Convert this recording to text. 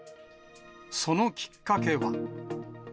そのきっかけは。